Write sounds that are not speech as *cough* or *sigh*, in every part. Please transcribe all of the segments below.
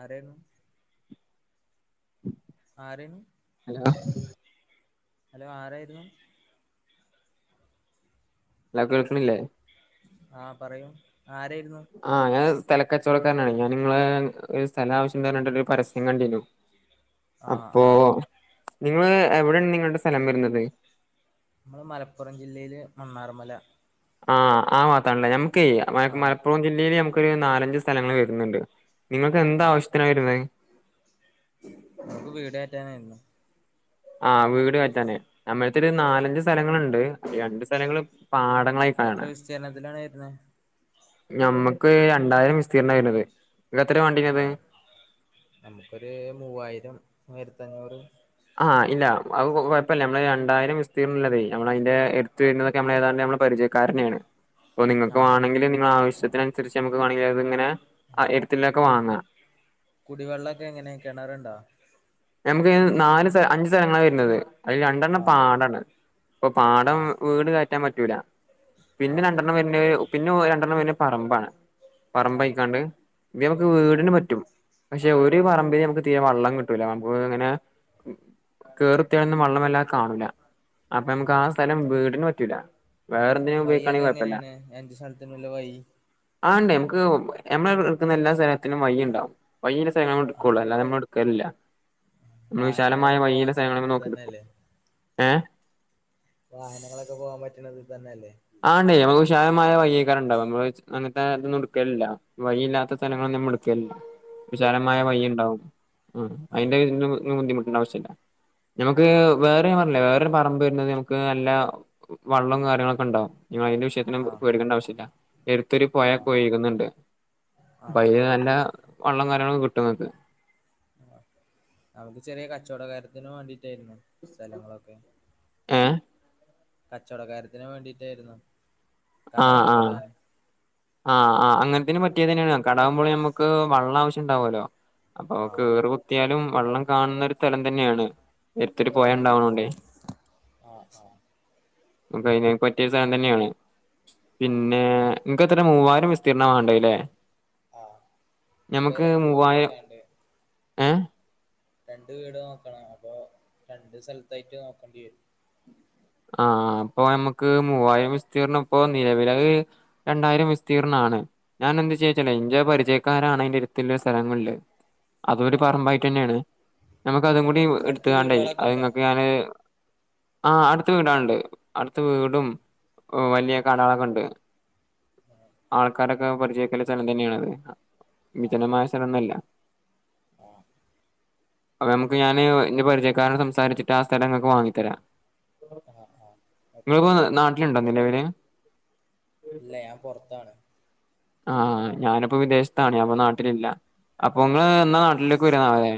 ആേ ആറേ നീ hello *unintelligible* hello ആരായിരുന്നു എാ കേൾക്കണില്ലേ ആഹ് പറയൂ ആരായിരുന്നു ആഹ ഞാൻ തലക്കച്ചോടക്കാരനാണ് ഞാൻ നിങ്ങള് ഒരു സ്ഥലം ആവശ്യംന്ന് പറഞ്ഞട്ട ഒരു പരസ്യം കണ്ടിു ആ ആ അപ്പോൊ നിങ്ങള് എവിടെയാണ് നിങ്ങളുടെ സ്ഥലം വരുന്നത് നമ്മള് മലപ്പുറം ജില്ലയില് മണ്ണാർമല ആഹ ആ വാത്രാല്ലേ നമുക്ക് ആ മലപ്പുറം ജില്ലയില് നമക്കൊരു നാലഞ്ച സ്ഥലങ്ങൾ വരുന്നുണ്ട് നിങ്ങൾക്ക് എന്താ ആവശ്യത്തിന വരുന്ന നമക്ക് വീട ആറ്റാനായിരുന്നു ആഹ വീട് പറ്റാനേ നമ്മഴത്തെ ഒരു നാലഞ്ച് സ്ഥലങ്ങളുണ്ട് ണ്ട് രണ്ട് സ്ഥലങ്ങള് പാടങ്ങളായി എത്ര കാാണ് വിസ്തീർണത്തിലാണ് വരുന്നെ ഞമ്മക്ക് രണ്ടായിരം വിസ്തീർണമായിരുന്നത് ആഹ നമുക്കൊരു മൂവായിരം വരുത്തഞ്ഞറ് ആഹ ഇല്ല അത് കുഴപ്പമില്ല നമ്മള് രണ്ടരം വിസ്തീർണുള്ളല്ലതേ നമ്മള അതിന്റെറെ എടുത്ത് വരുന്നതൊക്കെ നമ്മള ഏതാണ്ട് നമ്മ പരിചയം കാരണയാണ് അപ്പൊ ആ നിങ്ങൾക്ക് വേണെങ്കിൽ നിങ്ങ ആവശ്യത്തിനനുസരിച്ച് നമുക്ക് വേണെങ്കിൽ അത്ങ്ങനെ എടുത്തിൊക്കെ ആ വാങ്ങാം കുടിവെള്ളമൊക്കെ എങ്ങനെ കിണറണ്ടോ നാല് അഞ്ചച് സ്ഥലങ്ങളാണ് വരുന്നത് അതി ആ രണ്ടെണ്ണം പാടാണ് ഇപ്പൊ ആ പാടം വീട് കറ്റാൻ പറ്റൂല ആ പിന്നെ രണ്ടെണ്ണം വരുന്ന പിന്നെ രണ്ടെണ്ണം വര പറമ്പാണ് ആ പറമ്പഴക്കാണ്ട് ഇപ്പ നമുക്ക് ആ വീടിിനന് പറ്റും പക്ഷെ ഒരു പറമ്പിൽ നമുക്ക് തീരെ വെം കിട്ടൂല അങ്ങനെ കറത്തിന്ന് വള്ളംെല്ലാത കാണൂല അപ്പൊ നമുക്ക് ആ സ്ഥലം വീടിന് പറ്റൂല വേറെന്തിനും വൈ ഒക്കെ ഉപയോഗിക്കാണെങ്കിൽ കുഴപ്പല്ല എങ്ങനെയാണ് എന്റെ സ്ഥലത്തിനല്ല വൈ ആ ഉണ്ടേ നമക്ക് നമ്മ എടുക്കുന്ന എല്ലാ സ്ഥലനും വൈ ഉണ്ടാവ വക സ്ഥലം നമ്മ എടുക്കോ ആ അല്ലാത നമ്മ എടു ല്ല നമ്മൾ വിശാലമായ വാഹനങ്ങളൊക്കെ പോകാൻ വഴയില പറ്റണ സ്ഥലങ്ങളന്ന് ഇതിൽ നോക്കിയ എടുക്കു തന്നെയല്ലേ ഏ വാഹനങ്ങളൊക്കെ പോകാൻ പറ്റണത്ത് തന്നെ അല്ലേ ആണ്ട നമക്ക് ഉഷായമായ വയക്കാർ ഉണ്ടാവും നമ്മ അങ്ങനത്തെ അതന്നുംടുക്കലില്ല വഴിയില്ലാത്ത സ്ഥലങ്ങള നമ്മ ആ വിശാലമായ വഴ ഉണ്ടാവും ആ അതിന്റെ ബുദ്ധിമുട്ട് നമുക്ക് ആ വേറെ പറഞ്ഞില്ലേ പറ വരുന്നത്ക്ക് നല്ല വള്ളവും കാര്യങ്ങള നിങ്ങ അതിന്റെ വിഷയത്തിനും പോടക്കേണ്ട അവിശ്യമില്ല എറത്തൂര് ആ പോയാൽ കൊരിക്കുന്നുണ്ട് ആ ആ അപ്പൊ അല് നല്ല വള്ളം കരണം കിട്ടുന്നക്ക് നമുക്ക് ചെറിയ കച്ചവടകാരത്തിനന് വേണ്ടിട്ടായിരുന്നു സ്ഥലങ്ങളൊക്കെ ഏ കച്ചവടകാരത്തിനന് വേണ്ടിട്ടായിരുന്നു ആ ആ കടകളൊക്കെ ഇടാൻ ആ ആ അങ്ങന ഇതിനന് പറ്റിയ തന്നെയാണ് കടാവുമ്പഴെ നമുക്ക് വെള്ളം ആശ്യം ഉണ്ടാവുമല്ലോ അപ്പൊ ആ കേറ കുത്തിയാലും വള്ളം കാണുന്ന ഒരു സ്ഥലം തന്നെയാണ് നേരത്തരു ആ പോയ ഉണ്ടാവണോണ്ടേ ആ ആ പറ്റിയരു സ്ഥലം തന്നെയാണ് ആ പിന്നെ നിനിക്ക് എത്ര മൂവായിര വിസ്തീർണ വേണ്ടല്ലേ ആ നമുക്ക് നമ്മുക്ക് രണ്ട് വീട് മൂവായിരം വെക്കാണ്ട് ഏഹ് രണ്ട് വീട് നോക്കണം അപ്പൊ രണ്ട് സ്ഥലത്തായിട്ട് നോക്കേണ്ടി വരും ആ അപ്പൊ നമ്മുക്ക് മൂവായിരം വിസ്തീർണം ഇപ്പൊ നിലവില രണ്ടായിരം വിസ്തീർണ ഞാൻ എന്ത് ആ ചോച്ചല ഇന്ത്ചയ പരിചയക്കാരാണ് എറെ ഇടുത്തുള്ള സ്ഥലങ്ങളില് അതൊരു ആ പറമ്പായിട്ട് തന്നെയാണ് നമ്മക്ക അതും കൂടി അടുത്ത് എടുത്തുകാണ്ടേ വീടുകളൊക്കെ അത് ഉണ്ടോ നിങ്ങക്ക് ഞാന് ആ അടു അടുത്ത വീടാണ്ട് അടുത്ത വീടും വലിയ കടകളൊക്കെ ഉണ്ട് ആൾക്കാരൊക്കെ പരിചയക്കല്ല സ്ഥലം തന്നെയാണത് വിജനമായ സ്ഥലന്നല്ല ആ അപ്പൊ നമുക്ക് ഞാന് എന്റെ പരിചയക്കാരനട് സംസാരിച്ചിട്ട് ആ സ്ഥലംങ്ങക്ക് വാങ്ങിത്തരാ ആഹ് ആഹ് ഓക്കെ നിങ്ങപ്പോ നാട്ടിലുണ്ട നിലവില് ഇല്ല ഞാൻ പൊറത്താണ് ആ ആ ഞാനിപ്പോ വിദേശത്താണ് അപ്പൊ നാട്ടിലില്ല അപ്പൊ നിങ്ങള് എന്നാ നാട്ടിലേക്ക് വരുന്ന അവരെേ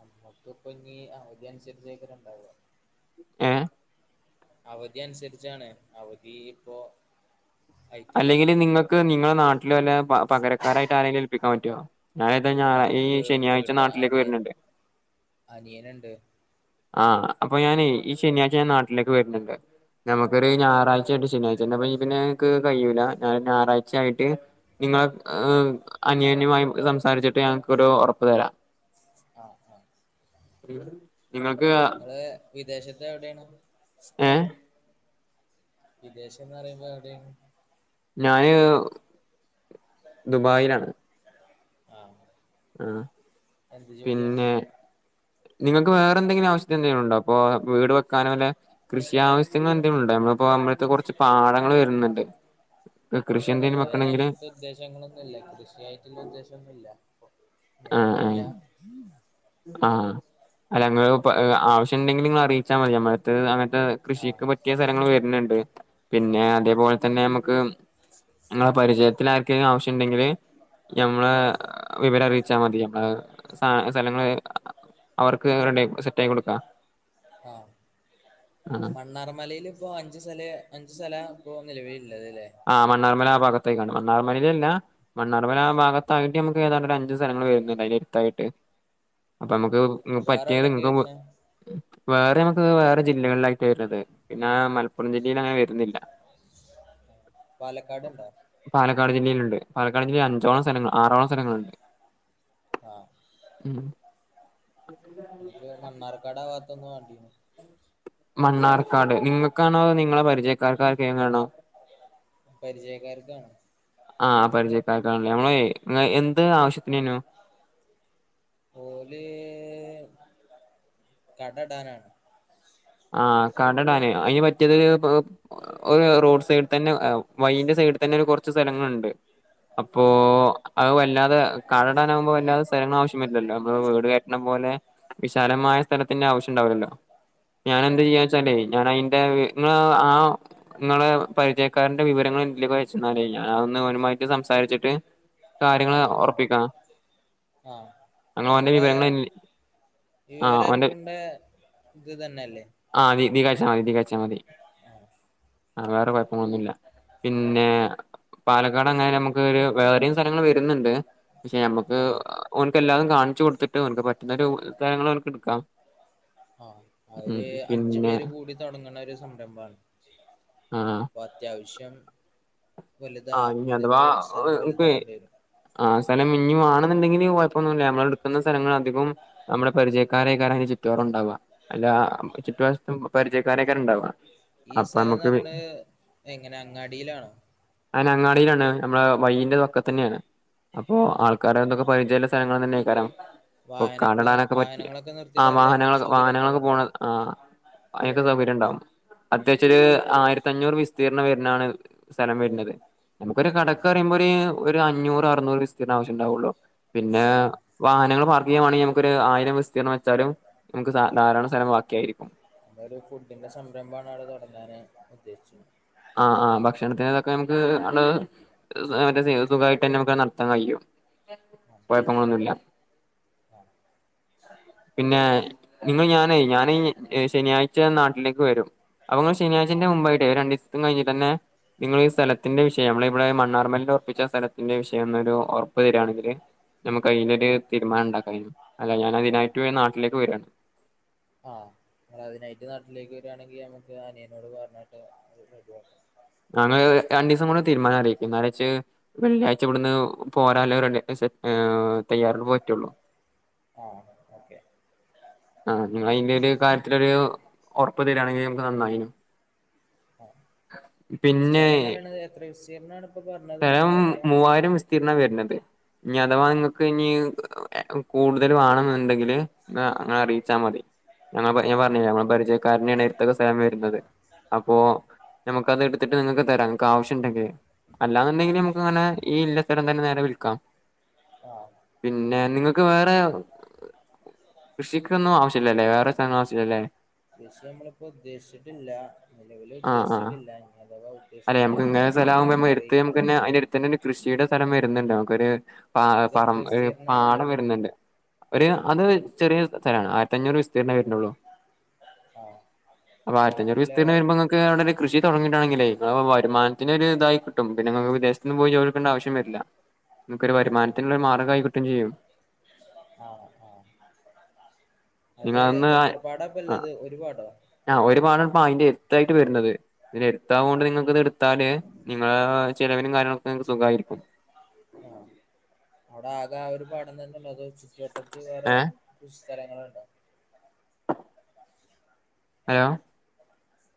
അമ്മക്ക ഇപ്പ ഇനി അവധ അനുസരിച്ചേക്കെണ്ടാവ ഏ അവധി അനുസരിച്ചാണ് അവധി ഇപ്പോ ആയിട്ടില്ല അല്ലെങ്കിൽ നിങ്ങൾക്ക് നിങ്ങളെ നാട്ടിലും അല്ല പകരക്കാരായിട്ട് ആരെങ്കും ഏൽപ്പിക്കാൻ പറ്റുമോ ആഹ് ഈ നമുക്ക് വീ ശനിയാഴ്ച നാട്ടിലേക്ക് വരുന്നുണ്ട് അനിയന ഉണ്ട് ആ അപ്പൊ ഞാൻ ഈ ശനിയാഴ്ച ഞാൻ നാട്ടിലേക്ക് വരുന്നുണ്ട് നമുക്കൊരു ആഹ് ഞായറാഴ്ചയായിട്ട് ശനിയാഴ്ച തപ്പ ഈ പിന്നെക്ക് കഴിയൂല്ല ഞ ഞായറാഴ്ച ആയിട്ട് നിങ്ങളെ ഏ ആഹ് അനയോന്യമായി സംസാരിച്ചിട്ട് ഞ ഇങ്ങക്കോരു ഉറപ്പ് തരാം ആ ആ ഉ നിങ്ങള് വിദേശത്ത് എവിടെണ് ഏഹ് വിദേശം ന്ന് പറയുമ്പോ എവിടെണ് ഞാന് ദുബായിലാണ് ആ ആ പിന്നെ നിങ്ങൾക്ക് വേറെ എന്തെങ്കിലും ആവശ്യത്തിന് എന്തെങ്കിലും ഉണ്ടോ അപ്പൊ വീട് വെക്കാനോ വല്ല കൃഷി ആവശ്യങ്ങൾ എന്തെങ്കിലും ഉണ്ടോ നമ്മളിപ്പോ നമ്മളടുത്ത് കുറച്ച് പാടങ്ങൾ വരുന്നുണ്ട് കൃഷി ഇല്ല എന്തെങ്കിലും ഇതുവരെ വെക്കണെങ്കില് അങ്ങനത്തെ ഉദ്ദേശങ്ങളൊന്നുല്ല, കൃഷിയായിട്ടുള്ള ഉദ്ദേശ്യമെന്നുമില്ല. നിലവിലില്ല. ആ അല്ല നിങ്ങ പ ആവശ്യണ്ടെങ്കിൽ നിങ്ങൾ അറിയിച്ചാൽ മതി ത് *unintelligible* എ കൃഷിക്ക് ആഹ് പറ്റിയ സ്ഥലങ്ങൾ വരുന്നുണ്ട് പിന്നെ ആഹ് അതേപോലെ തന്നെ നമക്ക് ഇങ്ങളെ പരിചയത്തിൽ ആർക്കെങ്കിലും ആവശ്യണ്ടെങ്കിൽ ഞമ്മളെ ആഹ് വിവരറി വച്ചാൽ മതി പ്പോ സ് സ്ഥലങ്ങൾ അവർക്ക് റെഡിയാ സെറ്റ് ആക്കി കൊടുക്ക. ആഹ് മണ്ണാർമലയിൽ ഇപ്പോ അഞ്ചു സ്ഥല അഞ്ചു സ്ഥല ഇപ്പോ നിലവിലി ആ മണാർമല ആ ഭാഗത്തായ്ക്കാണ്ട് മണ്ണാർമലയിലല്ല മണ്ണാർമല ആ ഭാഗത്തായി നമുക്ക് ഏതാണ്ട് അഞ്ചു സ്ഥലങ്ങൾ വരുന്നുണ്ട് അതിന്റെ അടുത്തായിട്ട്. അപ്പൊ ആഹ് നമുക്ക് വേറെ പറ്റിയത് എവിടൊക്കെ നിങ്ങൾക്ക് വരുന്നെ വേറെ നമുക്ക് വേറെ ജില്ലകളിലായിട്ടാ വരുന്നത് പിന്നെ മലപ്പുറം ജില്ലയിൽ അങ്ങനെ വരുന്നില്ല. *inaudible* പാലക്കാട് ണ്ടോ? ണ്ട് പാലക്കാട് അഞ്ചോളം സ്ഥലങ്ങൾ ആറോളം സ്ഥലങ്ങളുണ്ട്. ആ ഉം എനിക്ക് മണ്ണാർക്കാടാ ഭാഗത്ത് നിന്ന് വേണ്ടിരുന്നു. മണ്ണാർക്കാട് നിങ്ങൾക്കാണോ അതോ നിങ്ങളെ പരിചയക്കാർക്കാർക്കെങ്കിലുമാണോ? പരിചയക്കാർക്കാണ്. ആഹ്, പരിചയക്കാർക്കാണല്ലേ, നമ്മളെ എന്ത് ആവശ്യത്തിനാർന്നു? ഓല് കട ഇടാനാണ്. ആഹ് കട ഇടാനാ, അതിന് പറ്റിയത് റോഡ് സൈഡിൽ തന്നെ വഴിന്റെ സൈഡി ത ടുത്ത് തന്നെ ഒരു കുറച്ച് സ്ഥലങ്ങളുണ്ട്. അപ്പൊ ആഹ് അത് വല്ലാതെ കടടാനാകുമ്പോ വല്ലാതെ സ്ഥലങ്ങൾ ആവശ്യം വരില്ലല്ലോ നമ്മള് വീട് കയറ്റുന്ന പോലെ വിശാലമായ സ്ഥലത്തിന്റെ ആവശ്യണ്ടാവില്ലല്ലോ, ഞാൻ എന്ത് ആഹ് ചെയ്യാന്ന് വെച്ചാലേ ഞാൻ അതിന്റെ *unintelligible* നിങ്ങൾ ആ നിങ്ങളെ പരിചയക്കാരന്റെ വിവരങ്ങൾ എന്നിലേക്ക് അയച്ച് തന്നാൽ ഞാൻ ഒന്ന് ഒനുമായിട്ട് സംസാരിച്ചിട്ട് കാര്യങ്ങൾ ഉറപ്പിക്കാം. ആ നിങ്ങളെ ആ വിവരെ ഓന്റെ അറിയിക്കേണ്ട അത് തന്നെല്ലേ ഇതീക്ക് അയച്ചാൽ മതി ഇതീക്ക് അയച്ചാൽ മതി വേറെ കുഴപ്പങ്ങൾ ഒന്നും ഇല്ല. പിന്നെ, പാലക്കാട് അങ്ങനെ നമുക്ക് വേറെയും സ്ഥലങ്ങൾ വരുന്നുണ്ട് പക്ഷെ ഞമ്മക്ക് ആഹ് ഓൻക്ക് എല്ലാതും കാണിച്ചു കൊടുത്തിട്ട് അവനക്ക് പറ്റുന്ന ' *unintelligible* 'ഓൻക്ക് എടുക്കാം ആഹ ഉം അവര് അഞ്ച് പിന്നെ പേര് കൂടി തുടങ്ങണ ഒരു സംരംഭമാണ്. ആ അപ്പൊ അത്യാവശ്യം വലുതാ ആഹ് ഇ വലുത് സ്ഥലം അഥവാക്ക് വലുതാവേണ്ടി വരും ആ ഇഞ്ഞി വണെന്നുണ്ടെങ്കിൽ കുഴപ്പൊന്നുല്ല്യ നമ്മളെടുക്കുന്ന സ്ഥലങ്ങളധികും നമ്മുടെ പരിചയക്കാരെക്കാരം അതി ചുറ്റുപുറവും ഉണ്ടാവുക. അല്ല ചുറ്റുുവശത്തും പരിചയക്കാരെക്കാരം ഉണ്ടാവാ. ഈ സ്ഥലംന്ന് പറയണത് എങ്ങനെ അങ്ങാടിയിലാണോ? ഞാൻ അങ്ങാടിയിലെന്നെണ്, നമ്മളെ വഴിന്റെ വക്കത്തന്നെണ്. അപ്പൊ ആഹ് ആൾക്കാരെ എന്തൊക്കെ പരിചയമുള്ള സ്ഥലങ്ങളന്നെക്കാരം. പ്പോ വാഹനക്കള് കടടാനൊക്കെ പറ്റിയ, വാഹനങ്ങളൊക്കെ ആ നിർത്തിയിടാനുള്ള സൗകര്യങ്ങളൊക്കെ വാഹനങ്ങളൊക്കെ-വാഹനങ്ങളൊക്കെ- ഉണ്ടോ പോണ ആഹ - അതിനൊക്കെ സൗകര്യം ഉണ്ടാവും, അത്യാവശ്യ ഒരു ആയിരത്തി അഞ്ഞൂറ് വിസ്തീർണം വരുന്നാണ് സ്ഥലം വരുന്നത്. നമുക്കൊരു ആഹ് കടക്ക് പറയുമ്പോരു - ഒര് - അഞ്ഞൂറ് അറുന്നൂറ് വിസ്തീർണം ആവശ്യം ഉണ്ടാവുള്ളു. പിന്നെ, ആഹ് വാഹനങ്ങൾ പാർക്ക് ചെയ്യാൻ വണെങ്കിൽ നമുക്കൊരു ആയിരം വിസ്തീർണം വെച്ചാലും ധാരാളം സ്ഥലം ' ബാക്കിയായിരിക്കും *inaudible* 'ഒരു ഫുഡിന്റെ സംരംഭമാണ് അവിടെ തുടങ്ങാന് ഉദ്ദേശിച്ചത് ആഹ്-ആഹ്- ദക്ഷണത്തിന്റെതൊക്കെ നമുക്കാണ്ട് സുഖമായിട്ട് തന്നെ നമുക്കത് നടത്താൻ കഴിയും. ആഹ് കുഴപ്പങ്ങളൊന്നുല്യ. പിന്നെ നിങ്ങ ഞാനെ ഞാനെ ശനിയാഴ്ച നാട്ടിലേക്ക് വരും. അവങ്ങൾ ശനിയാഴ്ന്റെ ആഹ് മുമ്പായിട്ടേ രണ്ട ദിവസം കഴിഞ്ഞു തന്നെ നിങ്ങൾ ഈ സ്ഥലത്തിന്റെ വിഷയം നമ്മള ഇവിടെ മണ്ണാർമല്ലിൽ ഉറപ്പിച്ച സ്ഥലത്തിന്റെ വിഷയം എന്നൊരു ഉറപ്പ് തരിയാണെങ്കില് നമുക്ക് അതിലൊരു തീരുമാനം ഉണ്ടാക്ക അല്ല ഞാൻ അതിനായിട്ട് നാട്ടിലേക്ക് വരയാണ് ആ അ അതിനായിട്ട് നാട്ടിലേക്ക് വരിയാണെങ്കിൽ നമ്മുക്ക് അനിയനോട് പറഞ്ഞട്ട് ഞങ്ങള്ൾ രണ്ടു ദിവസം കൂടെ തീരുമാനം അറിയിക്കും നേര വെള്ളിയാഴ്ച ഇവിടുന്ന് പോരാലോ തയ്യാറ പോറ്റുള്ളൂ ആഹ് ഓക്കെ ആ നി അതിന്റെ ഒരു കാര്യത്തിരു ഉറപ്പ് തരിയാണെങ്കിൽ നമുക്ക് നന്നായിനു ആ പിന്നെ സ്ഥലംന്ന് പറയുന്നത് എത്ര വിശീരണമാണ് സ്ഥലം മൂവായിരം വിസ്തീർണ വരുന്നത് ഇനി അഥവാ ആഹ് നിങ്ങൾക്ക് ഇനി കൂടുതൽ വേണം എന്നുണ്ടെങ്കില് അങ്ങനെ അറിയിച്ചാൽ മതി ഞങ്ങ ഞൻ ആഹ് പറഞ്ഞില്ലേ നമ്മള് പരിചയക്കാരനെയാണ് ഇരത്തക്കെ സേമം വരുന്നത് അപ്പൊ ആഹ് നമുക്ക് അത് എടുത്തിട്ട് നിങ്ങൾക്ക് തരാം നിനക്ക് ആവശ്യം ഇണ്ടക്കെ അല്ലാന്നുണ്ടെങ്കിൽ ആഹ് നമുക്ക് അങ്ങനെ ഈ ഇല്ലത്തരം തന്നെ നേരെ വിൽക്കാം ആഹ് പിന്നെ നിങ്ങൾ ക്ക് വേറെ കൃഷിക്കൊന്നും ആവശ്യില്ലല്ലേ വേറെ സ്ഥല ആവശ്യില്ലല്ലേ പക്ഷ നമ്മളിപ്പോ ഉദ്ദേശിച്ചിട്ടില്ല നിലവില് ആ ആ ഉദ്ദേശിച്ചിട്ടില്ല ഇങ്ങ അഥവാ ഉദ്ദേശിക്കണ്ട് സല നമുക്ക്ന്നെ അതിന്റെ അടുത്ത് തന്നെ ഒരു കൃഷിയുടെ സ്ഥലം വരുന്നുണ്ട് നമുക്കൊരു പറ അതെത്ര പാടം വിസ്തീർണാണ്ള്ളത് വരുന്നുണ്ട് ഒരു അത് ചെറിയ സ്ഥലമാണ് ആയിരത്തി അഞ്ഞൂറ് വിസ്തീരണംേ വരരുന്നുള്ളൂ ആഹ അപ്പൊ ആയിരത്തഞ്ഞൂറ് വിസ് വരുമ്പോ അവി കൃഷി തുടങ്ങിട്ടണെങ്കേ വരുമാത്തിന് ഇതായി നമ വിദേശത്ത നിന്ന് പോയി ജോലിിക്കേണ്ട ആവശ്യം വരില്ല നമുക്ക് ഒരു ആഹ് വരുമാനത്തിനുള്ളരു മാർഗംമായി കിട്ടും ചെയ്യും ആഹ ആഹ നിങ്ങന്ന് ആ ഒരു പാടോ ആ ഒരുപാട് പയി ായിട്ട് വരുന്നത് ഇതിന എടുത്ത കൊണ്ട് ആഹ് നിങ്ങക്ക്ത് എടുത്താല് ചിലവിനും കാര്യങ്ങളൊക്കെങ്ങക്ക് സുഖമായിരിക്കും ആ അവിടെ ആകെ ആ ഒരു പാടം തന്നെല്ലോ അതോ ചുറ്റുവട്ടത്ത് വേറെ ഏ സ്ഥലങ്ങളുണ്ടോ ഹലോ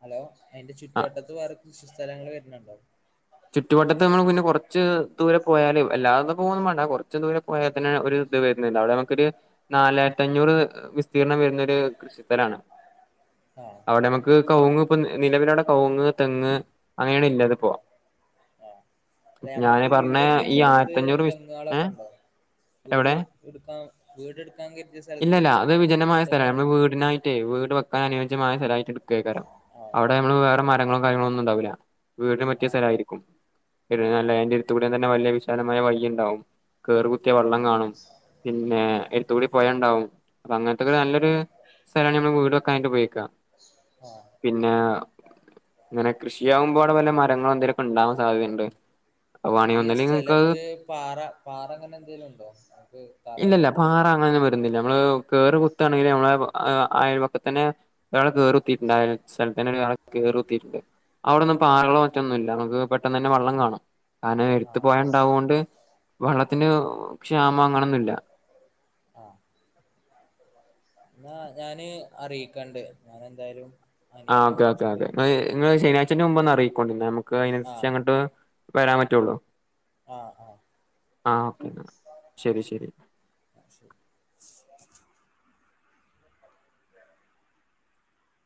ഹലോ എന്റെ ആ ചുറ്റുവട്ടത്ത് വേറെ കുൃഷ സ്ഥലങ്ങള്ൾ വണണ്ടോ ചുറ്റുുവട്ടത്തെ നമ്മൾ പിന്നെ കൊറച്ച് ദൂരെ പോയാാലും എല്ലാതും പോകുന്നു വേ കുറച്ച ദൂരെ പോയാൽ തന്നെ ഒരു ഇത് വരുന്നുുന്നണ്ട് അവിടെ നമുൊരു നാലര തത്തഞ്ഞൂറ് വിസ്തീർണം വരുന്ന ഒരു കൃഷിസ്ഥഥലാണ് ആഹ് അവിടെ നമുക്ക് കുങ് ഇപ്പ നിലവിലവിടെ കവങ്ങ് തെങ്ങ് അങ്ങനെയാണ് ഇല്ലാതെ പോവാ ആഹ് ആഹ് അല്ല നമ്മളിപ്പോ വീട് വെക്കണ സ്ഥലത്ത് വിസ് ഏ തെങ്ങാളൊക്കെ ഉണ്ടോ വീട് എവിടെ എടുക്കാ വീട്ടുക്കാൻ പറ്റിയ സ്ഥലത്ത് ഇല്ലല്ല അത് വിജനമായ സ്ഥലമാണ് തങ്ങൾ നമ്മള് വീടിനായിട്ടേ വീട് വക്കാ മായ സ്ഥലയിട്ട് എടുക്കുകയാരം ആഹ് അവിടെ നമ്മള് വേറെ മരങ്ങളും കാര്യങ്ങള ഒന്നും ഉണ്ടാവില്ല വീടിന് പറ്റിയ ആഹ് സ്ഥലയിരിക്കും ല്ല ആഹ് അന്റെ ഇരുത്ത കൂട തന്നെ വലിയ വിശദമായ വഴിയ ഉണ്ടാവും കേറ കുത്തിയ ആഹ് വെള്ളം കാണും പിന്നെ എടുത്തുകൂടി പോയുണ്ടാവും അപ്പ അങ്ങനെ ഇ നല്ലൊരു ആഹ് സ്ഥലമാണ് നമ്മള് വീട് വെക്കാനട്ട് പോയിക്ക ആഹ് ആഹ് പിന്നെ അങ്ങനെ കൃഷിയകുമ്പോ അവിടെ വല്ല മരങ്ങളൾ എന്തെലൊക്കെ ഉണ്ടാവാൻ സാധ്യതയുണ്ട് അത് വാണേ ഈ ഒന്നല്ലെങ്കിൽ നിങ്ങക്ക് അത് സ്ഥലത്ത് പാറ പാറ അങ്ങനെ എന്തേലും ഉണ്ടോ നമുക്ക് താറട് ഇല്ലല്ല പോ പാറ അങ്ങനെ നമ്മള് കുാണെങ്കിൽ നമ്മ അയൽക്കെ തന്നെ കുട്ടുണ്ട് ക കേറത്തിയിട്ടണ്ട് അവിടൊന്നും പ ആകളോ ആഹ് ഒറ്റൊന്നും ഇല്ല പെ തന്നെ വെള്ളം കാണ കാരണം എത്ത് ആഹ് പോയണ്ടാവുക കൊണ്ട് വെള്ളത്തിന് ക്ഷാ കാണില്ല ആഹ് എന്നാ ഞാന് അറിയിക്കണ്ട് ഞാന എന്തായാലും അനിയനെ ആ്ഓക്കെ ഓക്കെ വിളിച്ചിട്ട് ഓക്കെ നിങ്ങള് ശനിയാഴ്ചന്റെ മുമ്പ് ഒന്ന് അറിയിക്കോണ്ടിുന്ന നമുക്ക് അതിനനുസരിച്ച് ആഹ് അങ്ങോട്ട് വരാൻ പറ്റുള്ളൂ ആ ആ ആഹ ഓക്കെ എന്നാ ശരി ശരി *unintelligible*